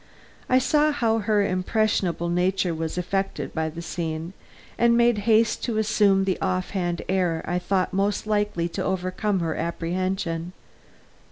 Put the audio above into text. I saw how her impressionable nature was affected by the scene, and made haste to assume the offhand air I thought most likely to overcome her apprehension.